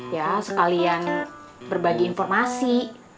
ya sekalian berbagi informasi